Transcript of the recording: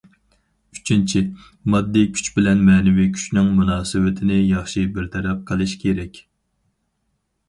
ئۈچىنچى، ماددىي كۈچ بىلەن مەنىۋى كۈچنىڭ مۇناسىۋىتىنى ياخشى بىر تەرەپ قىلىش كېرەك.